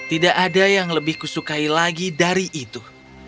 tidak ada yang lebih kusukai lagi dari itu